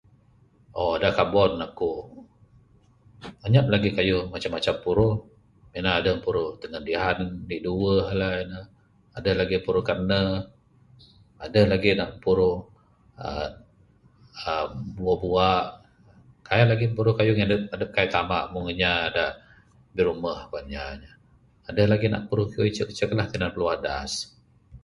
[ooo] da kabon aku anyap lagih kayuh macam macam puruh, mina adeh puruh tengen dihan ndi duweh alei ne, adeh nak puruh kaneh, adeh lagi nak puruh aaa buak buak, kaik lagi puruh kayuh ngin adep ... adep kaik tamak meng inya da birumeh kuan inya ya. Adeh lagi nak puruh kayuh icek icek lah tinan piluah adas.